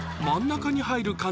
真ん中に入る？